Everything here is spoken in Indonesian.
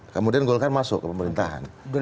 kemudian golkar masuk ke pemerintahan